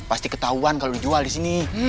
pasti ketahuan kalo dijual disini